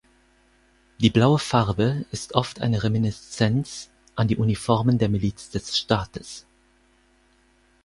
Die blaue Farbe ist oft eine Reminiszenz an die Uniformen der Miliz des Staates.